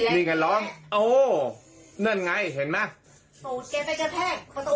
นี่แกล้งโอ้นั่นไงเห็นไหมโอ้แกวิ่งแกวิ่งแพร่งความตัวอู้